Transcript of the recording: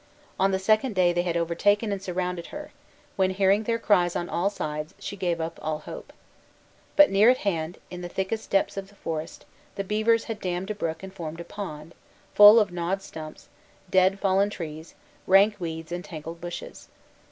On the second day they had overtaken and surrounded her, when, hearing their cries on all sides, she gave up all hope. But near at hand, in the thickest depths of the forest, the beavers had dammed a brook and formed a pond, full of gnawed stumps, dead fallen trees, rank weeds, and tangled bushes.